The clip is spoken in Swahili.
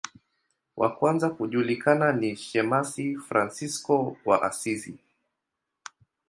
Wa kwanza kujulikana ni shemasi Fransisko wa Asizi.